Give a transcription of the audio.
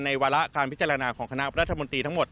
วาระการพิจารณาของคณะรัฐมนตรีทั้งหมด